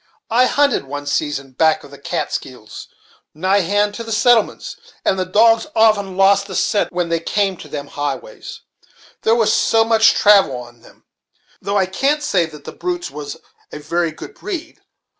I hunted one season back of the Kaatskills, nigh hand to the settlements, and the dogs often lost the scent, when they came to them highways, there was so much travel on them; though I can't say that the brutes was of a very good breed.